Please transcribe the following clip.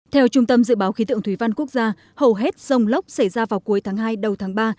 theo trung tâm dự báo khí tượng thủy văn quốc gia hầu hết rông lốc xảy ra vào cuối tháng hai đầu tháng ba